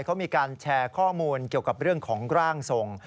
เขามีการแชร์ข้อมูลเกี่ยวกับเรื่องของร่างทรง